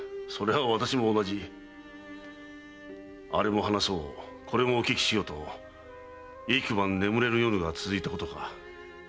それは私も同じあれも話そうこれもお聞きしようと幾晩眠れぬ夜が続いたことか。